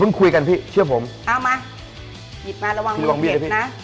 เพิ่งคุยกันพี่เชื่อผมพี่ว่ามือเห็นนะ